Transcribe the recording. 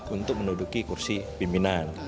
untuk menuduki kursi pimpinan